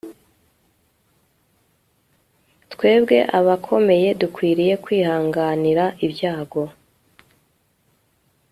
twebwe abakomeye dukwiriye kwihanganira ibyago